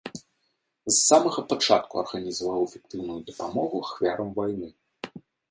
З самага пачатку арганізаваў эфектыўную дапамогу ахвярам вайны.